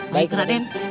baik kena deng